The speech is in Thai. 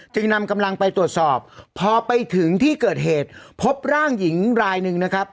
จึงนำกำลังไปตรวจสอบพอไปถึงที่เกิดเหตุพบร่างหญิงรายหนึ่งนะครับ